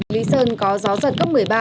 lý sơn có gió giật cấp một mươi ba